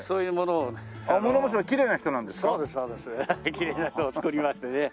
きれいな人を作りましてね。